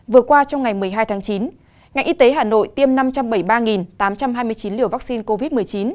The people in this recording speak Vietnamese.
vừa qua trong ngày một mươi hai tháng chín ngành y tế hà nội tiêm năm trăm bảy mươi ba tám trăm hai mươi chín liều vaccine covid một mươi chín